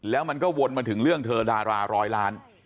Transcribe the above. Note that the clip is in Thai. แล้วมันก็วนมาถึงเรื่องเธอดาราร้อยล้าน